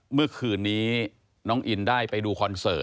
เมื่อคืนนี้น้องอินได้ไปดูคอนเสิร์ต